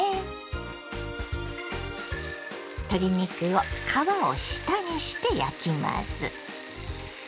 鶏肉を皮を下にして焼きます。